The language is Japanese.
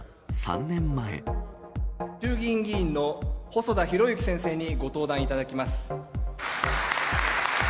衆議院議員の細田博之先生にご登壇いただきます。